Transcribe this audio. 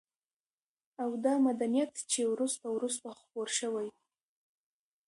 او دا مدنيت چې وروسته وروسته خپور شوى